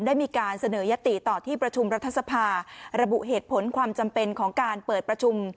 ได้มีการเสนอยติต่อที่ประชุมรัฐสภาระบุเหตุผลความจำเป็นของการเปิดประชุม